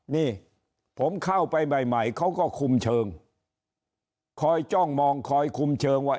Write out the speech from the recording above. นี่ผมเข้าไปใหม่ใหม่เขาก็คุมเชิงคอยจ้องมองคอยคุมเชิงว่า